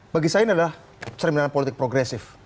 bagi saya ini adalah cerminan politik progresif